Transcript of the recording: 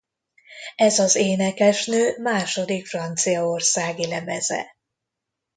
Ez az énekesnő második franciaországi lemeze.